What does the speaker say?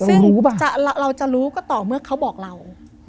ซึ่งเราจะรู้ก็ต่อเมื่อเขาบอกเรา